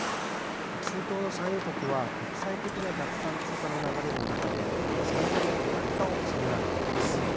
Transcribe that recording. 中東の産油国は、国際的な脱炭素化の流れの中で、産業の多角化を迫られています。